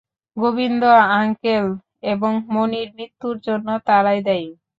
Govinda uncle এবং মণির মৃত্যুর জন্য তারাই দায়ী।